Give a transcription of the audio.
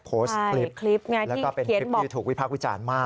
โพสต์คลิปรุงที่ถูกวิพากฎวิจารณ์มาก